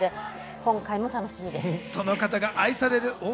今回も楽しみです。